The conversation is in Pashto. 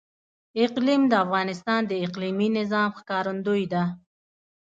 اقلیم د افغانستان د اقلیمي نظام ښکارندوی ده.